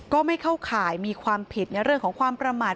ก็ไม่เข้าข่ายมีความผิดในเรื่องของความประมาท